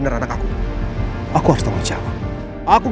taman karimun parmae